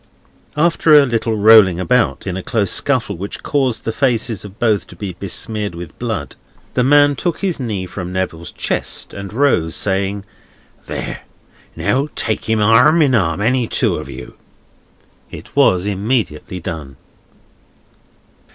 After a little rolling about, in a close scuffle which caused the faces of both to be besmeared with blood, the man took his knee from Neville's chest, and rose, saying: "There! Now take him arm in arm, any two of you!" It was immediately done.